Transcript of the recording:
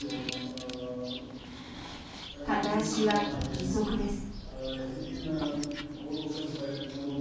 片足は義足です。